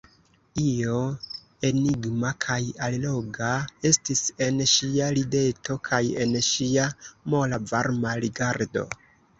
Io enigma kaj alloga estis en ŝia rideto kaj en ŝia mola varma rigardo.